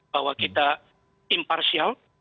bahwa kita imparsial